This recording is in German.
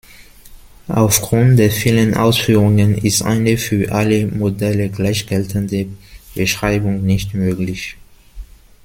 Aufgrund der vielen Ausführungen ist eine für alle Modelle gleich geltende Beschreibung nicht möglich.